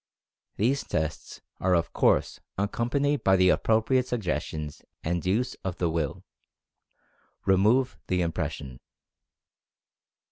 These tests are of course accompanied by the appropriate sug gestions, and use of the Will. Remove the impres sion.